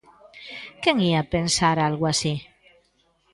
Quen ía pensar algo así?